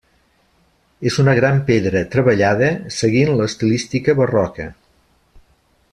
És una gran pedra treballada seguint l'estilística barroca.